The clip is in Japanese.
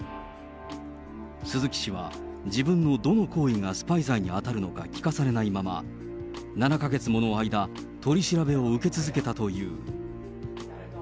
鈴木氏は自分のどの行為がスパイ罪に当たるのか聞かされないまま、７か月もの間、取り調べを受け続けたという。